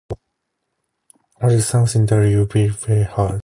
I have something to tell you before you ...